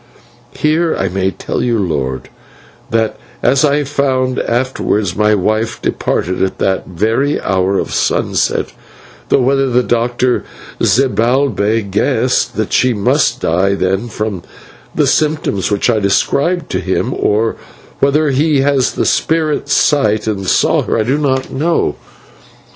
"Here I may tell you, lord, that, as I found afterwards, my wife departed at that very hour of sunset, though whether the doctor, Zibalbay, guessed that she must die then from the symptoms which I described to him, or whether he has the spirit sight, and saw her, I do not know.